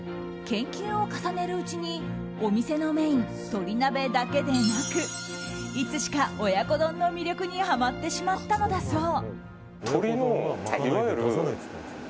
研究を重ねるうちにお店のメイン、鳥鍋だけでなくいつしか親子丼の魅力にハマってしまったのだそう。